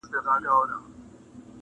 نه درک مي د مالونو نه دوکان سته٫